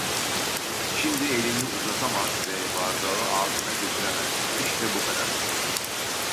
Şimdi elini uzatamaz ve bardağı ağzına götüremez, işte bu kadar.